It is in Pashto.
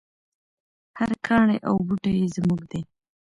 هر کاڼی او بوټی یې زموږ دی.